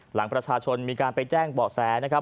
หลังประชาชนมีการไปแจ้งเบาะแสนะครับ